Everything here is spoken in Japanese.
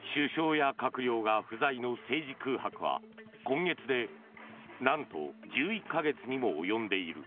首相や閣僚が不在の政治空白は今月で、何と１１か月にも及んでいる。